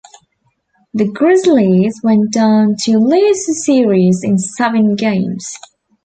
The Grizzlies went on to lose the series in seven games.